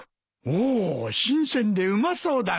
おお新鮮でうまそうだな。